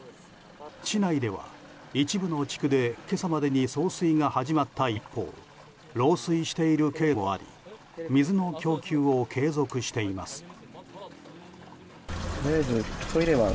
市内では一部の地区で今朝までに送水が始まった一方漏水しているケースもあり水の供給を継続しています。